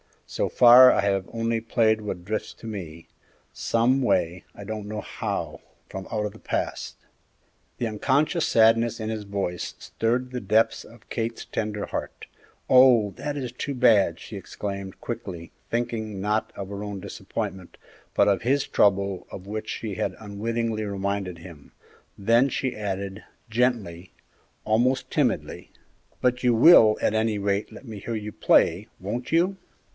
So far I have only played what drifts to me some way, I don't know how from out of the past." The unconscious sadness in his voice stirred the depths of Kate's tender heart. "Oh, that is too bad!" she exclaimed, quickly, thinking, not of her own disappointment, but of his trouble of which she had unwittingly reminded him; then she added, gently, almost timidly, "But you will, at any rate, let me hear you play, won't you?"